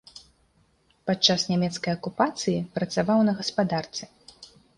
Падчас нямецкай акупацыі працаваў на гаспадарцы.